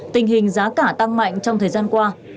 tình hình giá cả tăng mạnh trong thời gian qua